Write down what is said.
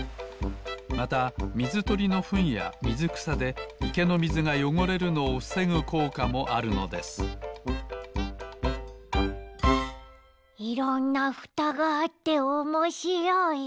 またみずとりのフンやみずくさでいけのみずがよごれるのをふせぐこうかもあるのですいろんなふたがあっておもしろい！